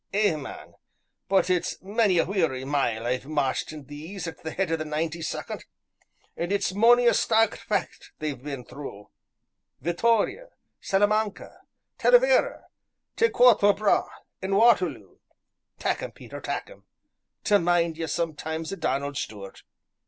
Ay, man! but it's many a weary mile I've marched in these at the head o' the Ninety Second, an' it's mony a stark fecht they've been through Vittoria, Salamanca, Talavera, tae Quatre Bras an' Waterloo; tak' 'em, Peter, tak' 'em tae mind ye sometimes o' Donal' Stuart.